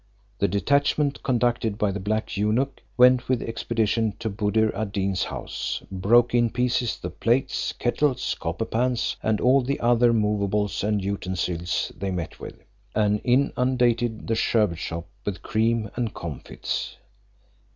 The detachment, conducted by the black eunuch, went with expedition to Buddir ad Deen's house, broke in pieces the plates, kettles, copper pans, and all the other moveables and utensils they met with, and inundated the sherbet shop with cream and comfits.